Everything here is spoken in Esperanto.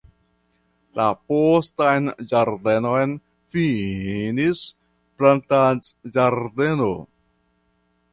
La postan ĝardenon finis plantadĝardeno.